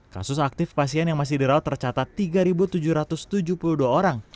kasus aktif pasien yang masih dirawat tercatat tiga tujuh ratus tujuh puluh dua orang